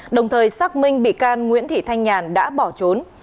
đồng thời xác minh bị can nguyễn thị thanh nhàn đã bỏ trốn